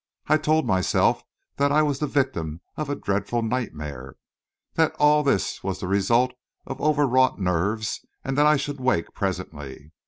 I told myself that I was the victim of a dreadful nightmare; that all this was the result of over wrought nerves and that I should wake presently.